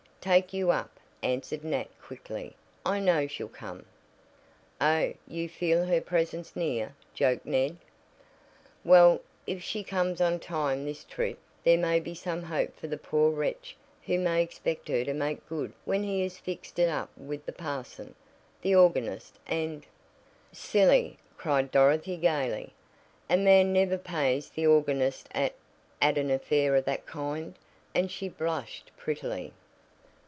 "Take you up!" answered Nat quickly. "I know she'll come." "Oh, you feel her presence near," joked Ned. "Well, if she comes on time this trip there may be some hope for the poor wretch who may expect her to make good when he has fixed it up with the parson, the organist and " "Silly!" cried Dorothy gaily. "A man never pays the organist at at an affair of that kind," and she blushed prettily.